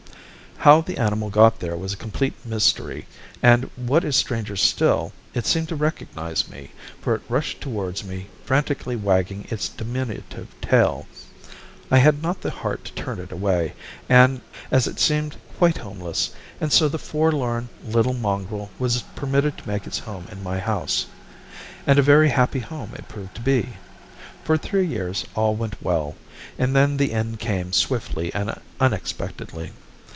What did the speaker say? How the animal got there was a complete mystery, and, what is stranger still, it seemed to recognize me, for it rushed towards me, frantically wagging its diminutive tail. I had not the heart to turn it away, as it seemed quite homeless, and so the forlorn little mongrel was permitted to make its home in my house and a very happy home it proved to be. For three years all went well, and then the end came swiftly and unexpectedly.